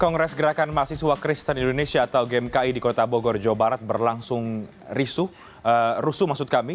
kongres gerakan mahasiswa kristen indonesia atau gmki di kota bogor jawa barat berlangsung risu maksud kami